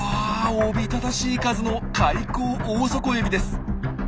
おびただしい数のカイコウオオソコエビです。